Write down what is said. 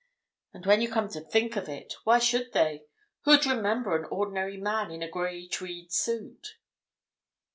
And when you come to think of it, why should they? Who'd remember an ordinary man in a grey tweed suit?"